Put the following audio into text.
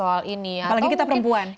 apalagi kita perempuan